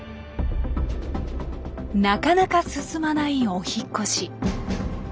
なかなか進まないお引っ越し。